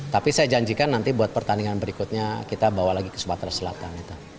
tapi saya janjikan nanti buat pertandingan berikutnya kita bawa lagi ke sumatera selatan